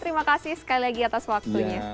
terima kasih sekali lagi atas waktunya